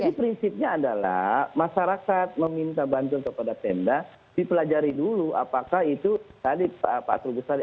jadi prinsipnya adalah masyarakat meminta bantuan kepada pemda dipelajari dulu apakah itu tadi pak atul gusari